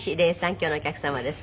今日のお客様です。